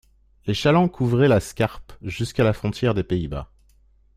Les chalands couvraient la Scarpe jusqu'à la frontière des Pays-Bas.